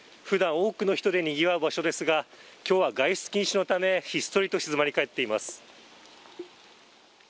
ふだん多くの人でにぎわう場所ですが、きょうは外出禁止のためひっそりと静まり返っています。